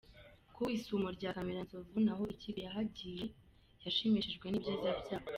Ku isumo rya Kamiranzovu naho ikipe yahagiye yashimishijwe n’ibyiza byaho.